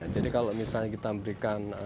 jadi kalau misalnya kita memberikan